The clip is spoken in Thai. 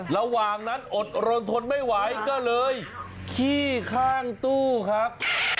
ระหว่างนั้นอดรนทนไม่ไหวก็เลยขี้ข้างตู้ครับ